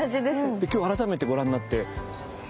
今日改めてご覧になって？